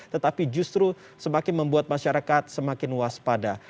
tetapi justru semakin membuat masyarakat semakin waspada